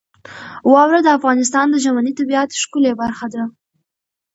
واوره د افغانستان د ژمنۍ طبیعت ښکلې برخه ده.